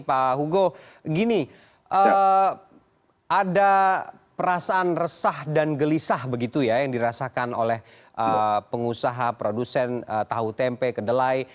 pak hugo gini ada perasaan resah dan gelisah begitu ya yang dirasakan oleh pengusaha produsen tahu tempe kedelai